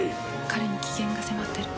彼に危険が迫ってる。